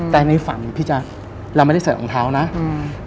แต่ในฝันพี่แจ๊คเราไม่ได้ใส่รองเท้านะอืม